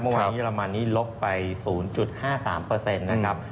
เมื่อวานไปทางเยอรมันนี้รบไป๐๕๓เปอร์เซนครับ